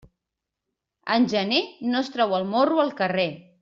En gener, no es trau el morro al carrer.